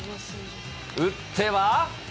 打っては。